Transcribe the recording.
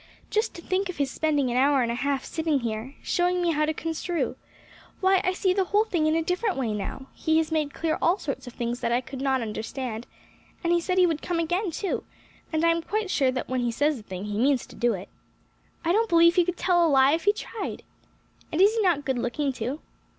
Just to think of his spending an hour and a half sitting here, showing me how to construe. Why, I see the whole thing in a different way now; he has made clear all sorts of things that I could not understand; and he said he would come again too, and I am quite sure that when he says a thing he means to do it. I don't believe he could tell a lie if he tried. And is he not good looking too?"